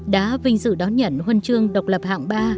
đã vinh dự đón nhận huân chương độc lập hạng ba